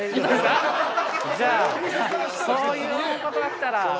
じゃあそういうことだったら。